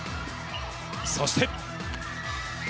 そして。